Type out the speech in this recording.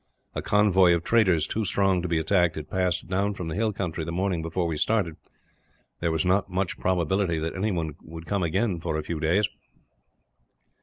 A convoy of traders, too strong to be attacked, had passed down from the hill country the morning before we started. There was not much probability that anyone would come again, for a few days."